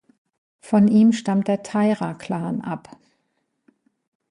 Von ihm stammt der Taira-Klan ab.